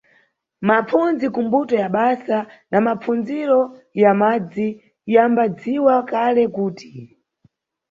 Mapfundzi kumbuto ya basa na mapfundziro ya madzi, yambadziwa kale kuti.